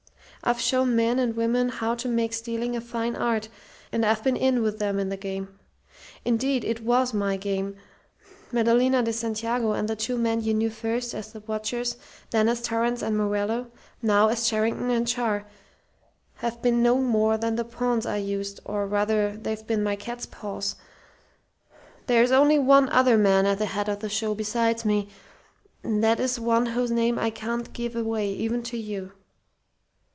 I've shown men and women how to make stealing a fine art, and I've been in with them in the game. Indeed, it was my game. Madalena de Santiago, and the two men you knew first as the 'watchers,' then as Torrance and Morello, now as Charrington and Char, have been no more than the pawns I used, or rather they've been my cat's paws. There's only one other man at the head of the show besides me, and that is one whose name I can't give away even to you.